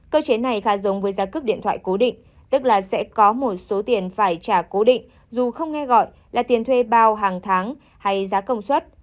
cơ chế này khá giống với giá cước điện thoại cố định tức là sẽ có một số tiền phải trả cố định dù không nghe gọi là tiền thuê bao hàng tháng hay giá công suất